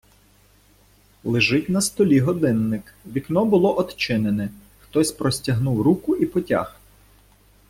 Лежить на столі годинник, вікно було одчинене, хтось простягнув руку і потяг.